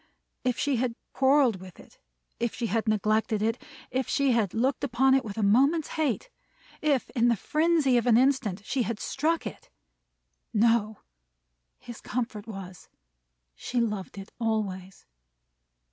If she had quarreled with it; if she had neglected it; if she had looked upon it with a moment's hate! if, in the frenzy of an instant, she had struck it! No! His comfort was, She loved it always.